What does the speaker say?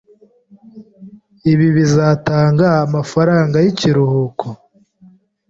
Ibi bizatanga amafaranga yikiruhuko?